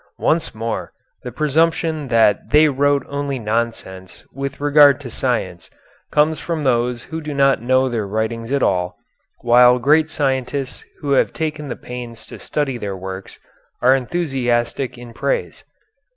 Once more, the presumption that they wrote only nonsense with regard to science comes from those who do not know their writings at all, while great scientists who have taken the pains to study their works are enthusiastic in praise.